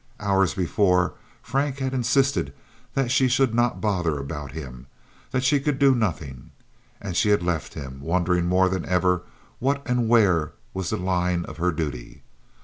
Hours before Frank had insisted that she should not bother about him, that she could do nothing; and she had left him, wondering more than ever what and where was the line of her duty.